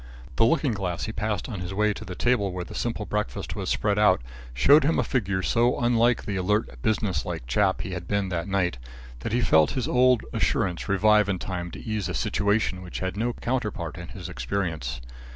The looking glass he passed on his way to the table where the simple breakfast was spread out, showed him a figure so unlike the alert, business like chap he had been that night, that he felt his old assurance revive in time to ease a situation which had no counterpart in his experience.